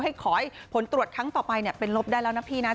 ขอให้ผลตรวจครั้งต่อไปเป็นลบได้แล้วนะพี่นะ